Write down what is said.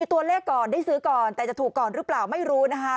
ตัวเลขก่อนได้ซื้อก่อนแต่จะถูกก่อนหรือเปล่าไม่รู้นะคะ